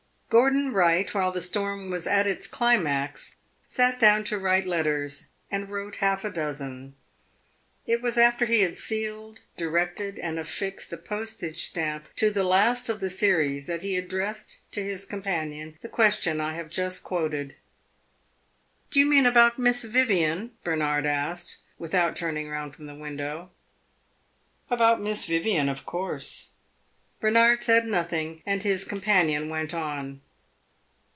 Gordon Wright, while the storm was at its climax, sat down to write letters, and wrote half a dozen. It was after he had sealed, directed and affixed a postage stamp to the last of the series that he addressed to his companion the question I have just quoted. "Do you mean about Miss Vivian?" Bernard asked, without turning round from the window. "About Miss Vivian, of course." Bernard said nothing and his companion went on.